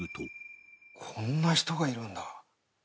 こんな人がいるんだ。